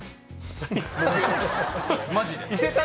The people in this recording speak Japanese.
マジで。